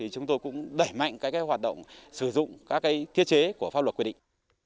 chúng tôi cũng đẩy mạnh hoạt động sử dụng các thiết chế của pháp luật quy định